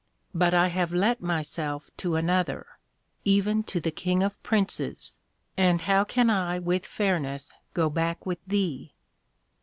But I have let myself to another, even to the King of Princes, and how can I with fairness go back with thee?